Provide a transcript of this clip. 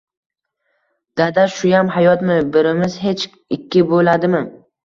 Dada shuyam hayotmi, birimiz hech ikki bo`ladimi